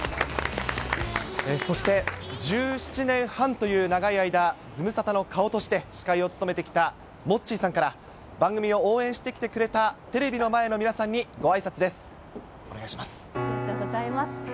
そして、１７年半という長い間、ズムサタの顔として司会を務めてきたモッチーさんから、番組を応援してきてくれたテレビの前の皆さんに、ごあいさつです。